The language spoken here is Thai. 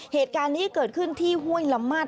เหตุการณ์นี้เกิดขึ้นที่ห้วยละมัด